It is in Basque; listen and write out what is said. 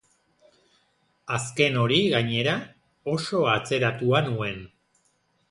Azken hori, gainera, oso atzeratua nuen.